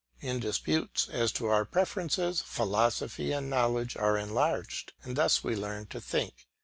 In disputes as to our preferences, philosophy and knowledge are enlarged, and thus we learn to think.